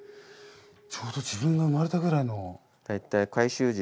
ちょうど自分が生まれたぐらいの。